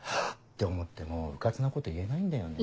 て思ってもうかつなこと言えないんだよね。